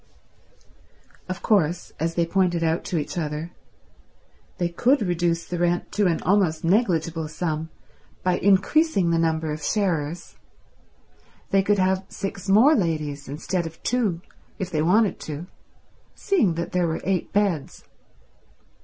Of course, as they pointed out to each other, they could reduce the rent to an almost negligible sum by increasing the number of sharers; they could have six more ladies instead of two if they wanted to, seeing that there were eight beds.